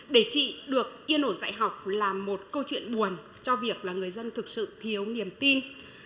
để chị được yên ổn dạy học là một câu chuyện buồn cho việc là người dân thực sự thiếu niềm tin